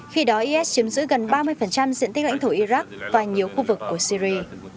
khi đó is chiếm giữ gần ba mươi diện tích lãnh thổ iraq và nhiều khu vực của syri